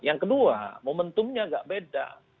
yang kedua momentumnya agak beda